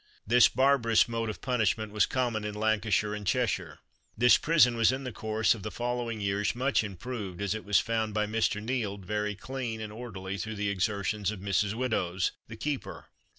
This barbarous mode of punishment was common in Lancashire, and Cheshire. This prison was in the course of the following years much improved, as it was found by Mr. Neild very clean and orderly through the exertions of Mrs. Widdows, the keeper.